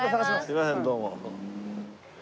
すいませんどうも。